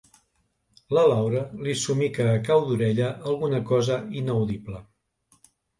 La Laura li somica a cau d'orella alguna cosa inaudible.